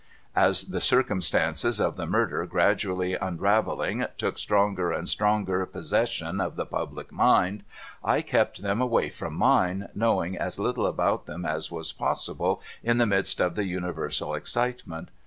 As the circumstances of the murder, gradually unravelling, took stronger and stronger possession of the public mind, I kept them away from mine by knowing as little about them as was possible in the midst of the universal excitement.